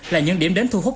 là những điểm đến thu hút